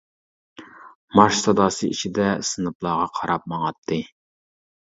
مارش ساداسى ئىچىدە سىنىپلارغا قاراپ ماڭاتتى.